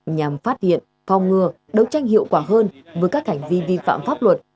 nhằm phát hiện phong ngừa đấu tranh hiệu quả hơn với các hành vi vi phạm pháp luật